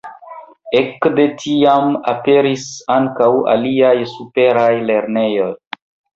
Ekde tiam aperis ankaŭ aliaj superaj lernejoj.